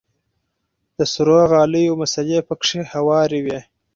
د سرو غاليو مصلې پکښې هوارې وې.